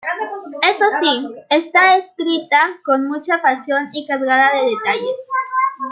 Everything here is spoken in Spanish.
Eso sí, está escrita con mucha pasión y cargada de detalles.